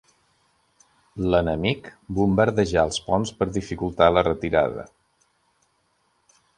L'enemic bombardejà els ponts per dificultar la retirada.